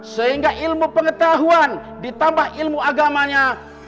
sehingga ilmu pengetahuan ditambah ilmu agamanya